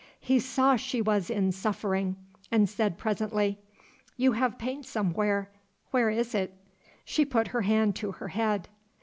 He saw she was in suffering, and said presently, "You have pain somewhere; where is it?" She put her hand to her head.